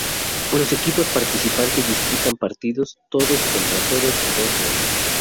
Los equipos participantes disputan partidos todos contra todos a dos ruedas.